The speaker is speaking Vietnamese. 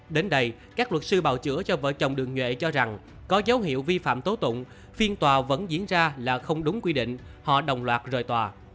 đến đây các luật sư bào chữa cho vợ chồng đường nhuệ cho rằng có dấu hiệu vi phạm tố tụng phiên tòa vẫn diễn ra là không đúng quy định họ đồng loạt rời tòa